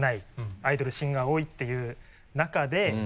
アイドルシンガー多いっていう中で。